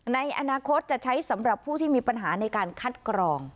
ในอนาคตจะใช้สำหรับผู้ที่มีปัญหาในการคัดกรอง